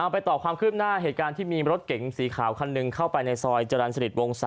ไปต่อความคืบหน้าเหตุการณ์ที่มีรถเก๋งสีขาวคันหนึ่งเข้าไปในซอยจรรย์สนิทวง๓